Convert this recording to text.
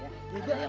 ya sudah ya sudah